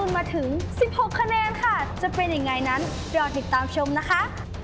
เพราะฉะนั้นรอดติดตามชมนะคะ